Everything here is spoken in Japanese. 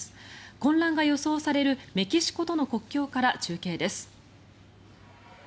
混乱が予想されるメキシコとの国境から中継です。